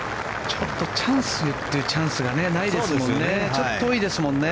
ちょっとチャンスというチャンスがないですもんね。